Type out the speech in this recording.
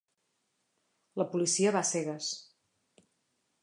La policia va a cegues.